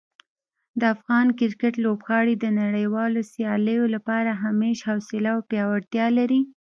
د افغان کرکټ لوبغاړي د نړیوالو سیالیو لپاره همیش حوصله او پیاوړتیا لري.